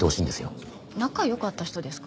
仲良かった人ですか？